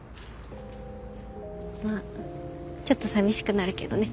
まあちょっと寂しくなるけどね。